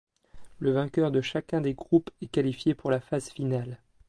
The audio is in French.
Le vainqueur de chacun des groupes est qualifié pour la phase finale.